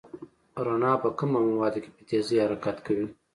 رڼا په کمو موادو کې په تېزۍ حرکت کوي.